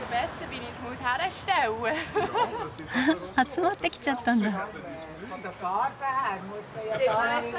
集まってきちゃったんだ。